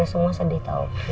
kita semua sedih tau kiki